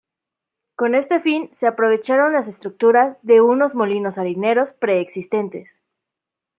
Con este fin se aprovecharon las estructuras de unos molinos harineros preexistentes.